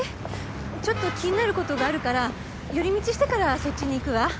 ちょっと気になる事があるから寄り道してからそっちに行くわ。